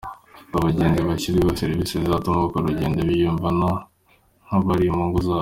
Ati “Abagenzi bashyiriweho serivisi zizatuma bakora urugendo biyumva nk’abari mu ngo zabo.